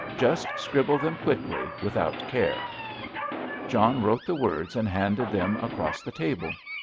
Just scribble them quickly, without care." John wrote the words and handed them across the table.